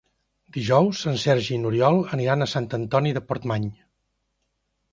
Dijous en Sergi i n'Oriol aniran a Sant Antoni de Portmany.